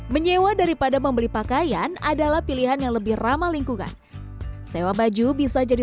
menyewa daripada membeli pakaian adalah pilihan yang lebih ramah lingkungan sewa baju bisa jadi